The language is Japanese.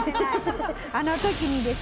あの時にですね